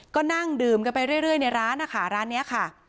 ก็นั่งดื่มกันไปเรื่อยในร้านนะคะร้านนี้ค่ะ